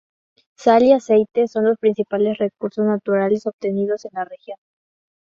Sal y aceite son los principales recursos naturales obtenidos en la región.